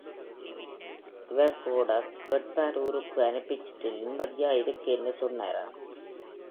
இவர் கூடக் கேட்டார் ஊருக்கு அனுப்பிச்சுட்டு நிம்மதியாய் இருக்கேன் னு சொன்னாராம்.